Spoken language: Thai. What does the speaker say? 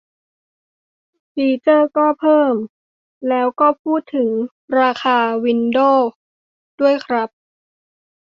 ฟีเจอร์ก็เพิ่ม แล้วก็พูดถึงราคาวินโดวส์ด้วยครับ